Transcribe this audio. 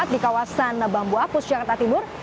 di kawasan bambuapus jakarta timur